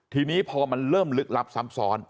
ทีนี้พอมันเริ่มลึกลับซ้ำซ้อน